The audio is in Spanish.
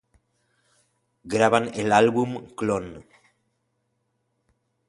Graban el álbum "Clone".